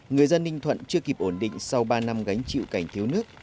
người dân ninh thuận chưa kịp ổn định sau ba năm gánh chịu cảnh thiếu nước